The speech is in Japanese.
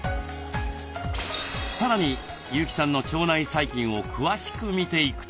さらに優木さんの腸内細菌を詳しく見ていくと。